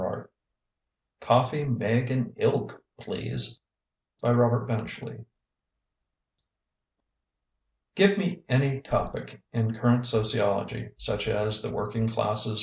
II "COFFEE, MEGG AND ILK, PLEASE" Give me any topic in current sociology, such as "The Working Classes _vs.